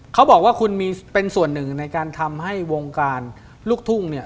เขาบอกว่าคุณมีเป็นส่วนหนึ่งในการทำให้วงการลูกทุ่งเนี่ย